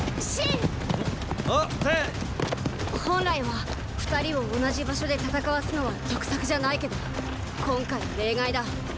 本来は二人を同じ場所で戦わすのは得策じゃないけど今回は例外だ。